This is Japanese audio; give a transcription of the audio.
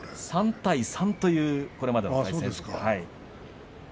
３対３というこれまでの成績です。